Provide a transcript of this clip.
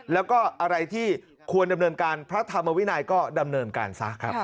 แล้วก็อะไรที่ควรดำเนินการพระธรรมวินัยก็ดำเนินการซะครับ